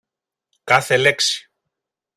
κάθε λέξη